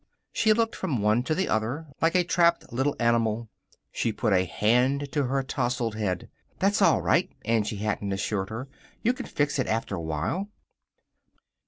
She looked from one to the other, like a trapped little animal. She put a hand to her tousled head. "That's all right," Angie Hatton assured her. "You can fix it after a while."